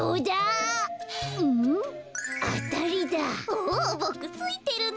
おボクついてるね。